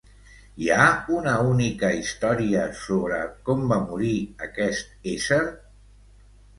Hi ha una única història sobre com va morir aquest ésser?